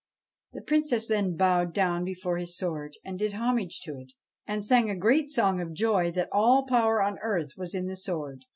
The Princess then bowed down before his sword and did homage to it, and sang a great song of joy that all power on earth was in the sword.